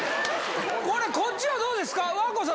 これ、こっちはどうですか？